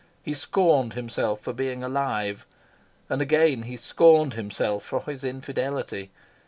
He scorned himself for being alive. And again, he scorned himself for his infidelity.